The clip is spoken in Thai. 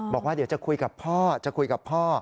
บอกว่าเดี๋ยวจะคุยกับพ่อจะคุยกับพ่อ